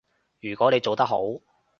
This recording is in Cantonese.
如果你做得好